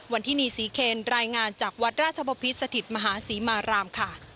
วันที่นี้ซีเคนรายงานจากวัดราชบพิษสถิตมหาศีมาราม